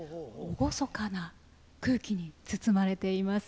厳かな空気に包まれています。